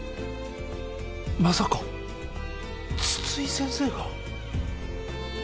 まさか津々井先生が！？